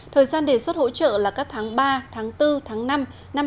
thời gian đề xuất hỗ trợ là các tháng ba tháng bốn tháng năm năm hai nghìn hai mươi bốn